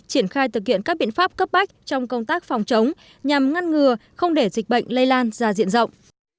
triển khai thực hiện các biện pháp cấp bách trong công tác phòng chống nhằm ngăn ngừa không để dịch bệnh lây lan ra diện rộng